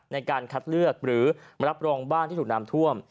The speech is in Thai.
ในการคัดเลือกหรือรับรองบ้านที่ถูกน้ำท่วม